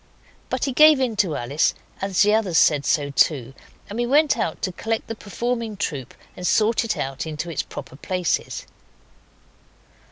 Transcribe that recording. But he gave in to Alice, as the others said so too, and we went out to collect the performing troop and sort it out into its proper places.